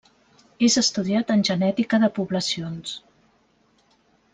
És estudiat en genètica de poblacions.